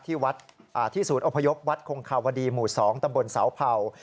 ที่ศูนย์อพยพวัดคงคาวดีหมู่๒ตำบลเสาเผ่า